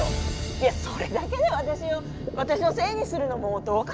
いやそれだけで私を私のせいにするのもどうかと思いますよ。